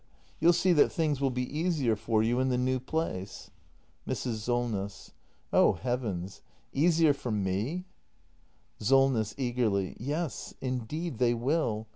You'll see that things will be easier for you in the new place. Mrs. Solness. Oh Heavens — easier for me ! Solness. [Eagerly.] Yes, indeed they will!